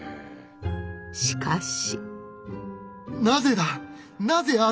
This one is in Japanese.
しかし。